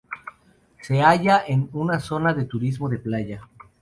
Se halla en una zona de turismo de playa.